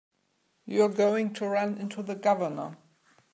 You're going to run into the Governor.